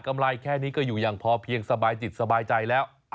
ไรแค่นี้ก็อยู่อย่างพอเพียงสบายจิตสบายใจแล้ว